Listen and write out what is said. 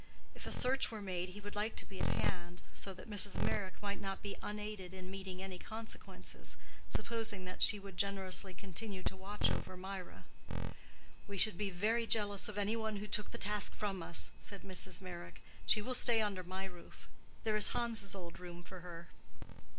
If a search were made, he would like to be at hand, so that Mrs. Meyrick might not be unaided in meeting any consequences—supposing that she would generously continue to watch over Mirah. "We should be very jealous of any one who took the task from us," said Mrs. Meyrick. "She will stay under my roof; there is Hans's old room for her."